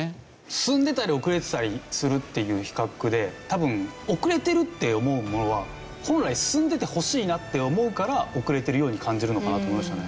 進んでたり遅れてたりするっていう比較で多分遅れてるって思うものは本来進んでてほしいなって思うから遅れてるように感じるのかなと思いましたね。